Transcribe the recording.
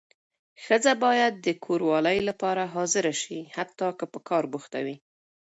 ښځه باید د کوروالې لپاره حاضره شي حتی که په کار بوخته وي.